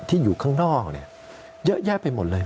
อยู่ข้างนอกเยอะแยะไปหมดเลย